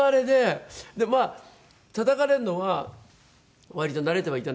まあたたかれるのは割と慣れてはいたんですよ。